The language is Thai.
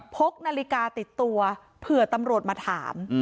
พกนาฬิกาติดตัวเผื่อตำรวจมาถาม